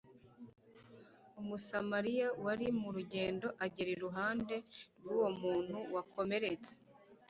Umusamariya wari mu rugendo agera iruhande rw'uwo muntu wakomeretse,